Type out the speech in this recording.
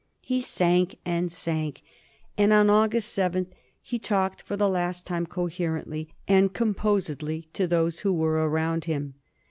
He sank and sank, and on August 7 he talked for the last time coherently and composedly to those who were around him.